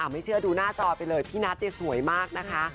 ไม่เชื่อดูหน้าจอไปเลยพี่นัทสวยมากนะคะ